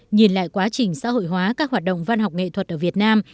nhìn lại quá trình xã hội hóa các hoạt động văn học nghệ thuật ở việt nam